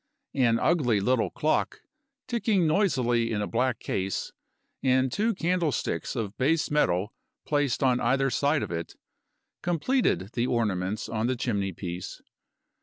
An ugly little clock, ticking noisily in a black case, and two candlesticks of base metal placed on either side of it, completed the ornaments on the chimney piece.